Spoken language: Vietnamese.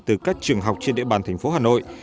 từ các trường học trên địa bàn thành phố hà nội